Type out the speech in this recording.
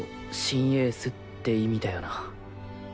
新エースって意味だよな。